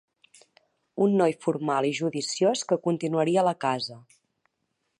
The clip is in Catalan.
Un noi formal i judiciós que continuaria la casa